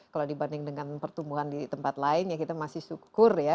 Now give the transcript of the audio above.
kalau dibanding dengan pertumbuhan di tempat lain ya kita masih syukur ya